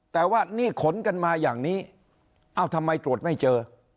แต่ว่านี่ขนกันมาอย่างนี้เอ้าทำไมตรวจไม่เจอ